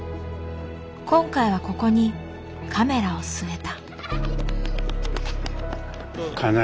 今回はここにカメラを据えた。